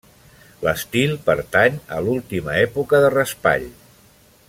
L'estil pertany a l'última època de Raspall.